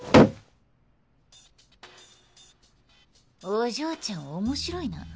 お嬢ちゃん面白いな。